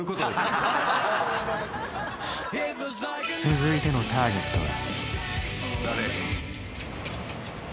続いてのターゲットは。